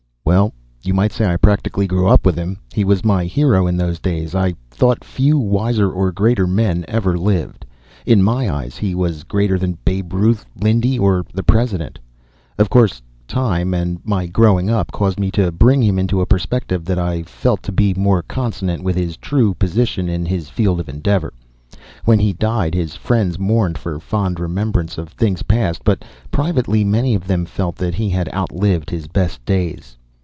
Well you might say I practically grew up with him. He was my hero in those days. I thought few wiser or greater men ever lived. In my eyes he was greater than Babe Ruth, Lindy, or the President. Of course, time, and my growing up caused me to bring him into a perspective that I felt to be more consonant with his true position in his field of endeavor. When he died his friends mourned for fond remembrance of things past, but privately many of them felt that he had outlived his best days.